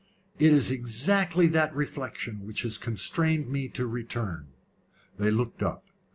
"It is exactly that reflection which has constrained me to return." They looked up.